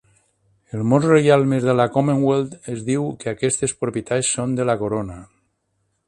En molts reialmes de la Commonwealth, es diu que aquestes propietats són de la Corona.